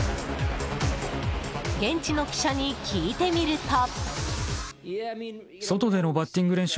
現地の記者に聞いてみると。